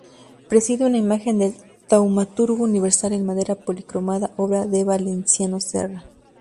Preside una imagen del Taumaturgo universal en madera policromada, obra del valenciano Serra.